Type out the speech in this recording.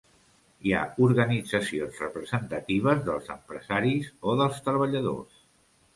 Hi ha organitzacions representatives dels empresaris o dels treballadors.